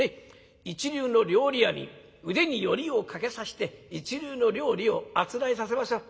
一流の料理屋に腕によりをかけさせて一流の料理をあつらえさせましょう。